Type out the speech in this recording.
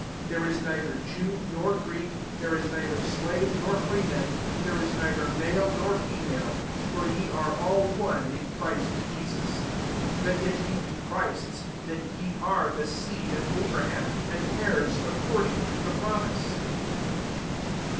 28 There is neither Jew nor Greek, there b neither srave nor free man. there is neither male nor fe male: for ye all are one in Christ Jesus. 29 But if ye be Christ's, then ye are the seed of Abraham, [and^ heirs accord ing to the promise.